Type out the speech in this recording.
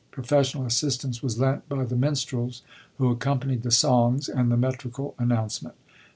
Professional assistance was lent by the minstrels, who accompanied the songs and the metrical announcement.